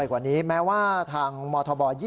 กว่านี้แม้ว่าทางมธบ๒๐